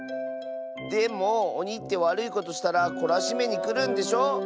でもおにってわるいことしたらこらしめにくるんでしょ？